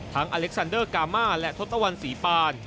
อเล็กซันเดอร์กามาและทศตวรรณศรีปาน